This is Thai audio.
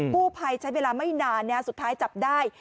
กู้ภัยใช้เวลาไม่นานสุดท้ายจับได้